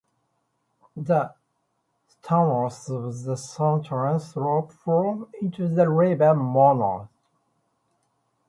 The streams of the southern slope flow into the river Mornos.